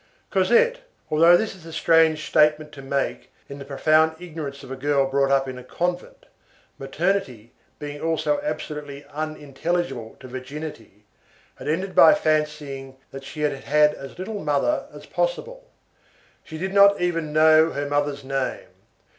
Cosette, although this is a strange statement to make, in the profound ignorance of a girl brought up in a convent,—maternity being also absolutely unintelligible to virginity,—had ended by fancying that she had had as little mother as possible. She did not even know her mother's name.